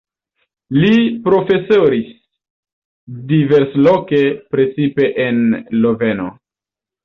Li profesoris diversloke, precipe en Loveno.